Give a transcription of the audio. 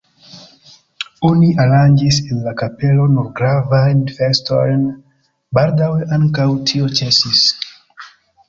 Oni aranĝis en la kapelo nur gravajn festojn, baldaŭe ankaŭ tio ĉesis.